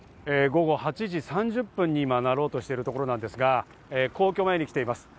午後８時３０分に今なろうとしてるところなんですが、皇居前に来ています。